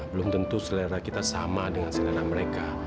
belum tentu selera kita sama dengan selera mereka